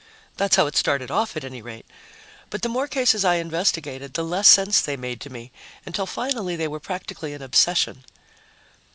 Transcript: That's how it started off, at any rate. But the more cases I investigated, the less sense they made to me, until finally they were practically an obsession.